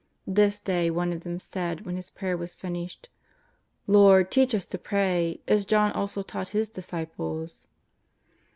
This day one of them said when His prayer was finished :^^ Lord, teach us to pray, as John also taught his disciples."